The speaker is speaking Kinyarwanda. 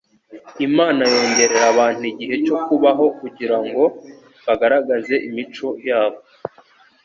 Imana yongerera abantu igihe cyo kubaho kugira ngo bagaragaze imico yabo